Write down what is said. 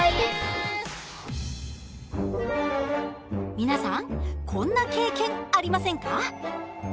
皆さんこんな経験ありませんか？